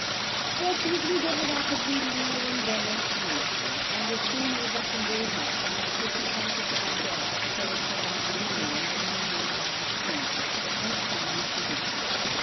Fortunately they were rapidly nearing their destination, and were soon able to lay her upon the pretty, comfortable bed prepared for her and Lulu in the new home by the sea, and summon a physician.